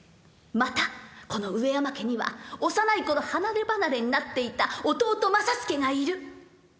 またこの上山家には幼い頃離れ離れになっていた弟正祐がいる。